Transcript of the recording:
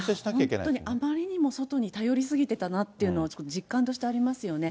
本当に、あまりにも外に頼り過ぎてたなっていうのは、ちょっと実感としてありますよね。